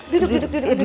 duduk duduk duduk